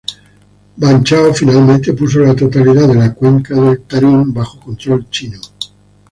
Ban Chao finalmente puso la totalidad de la cuenca del Tarim bajo control chino.